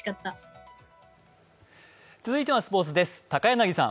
続いてはスポーツです。